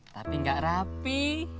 tapi gak rapi